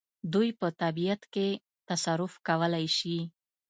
دوی په طبیعت کې تصرف کولای شي.